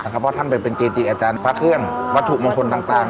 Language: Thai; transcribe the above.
เพราะท่านไปเป็นเกจิอาจารย์พระเคลื่อนวัตถุมงคลต่าง